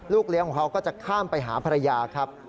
เลี้ยงของเขาก็จะข้ามไปหาภรรยาครับ